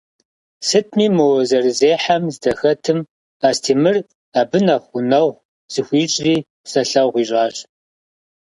Сытми, мо зэрызехьэм здыхэтым, Астемыр абы нэхъ гъунэгъу зыхуищӏри, псэлъэгъу ищӏащ.